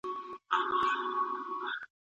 آیا شرم د سړي لپاره تاوان لري؟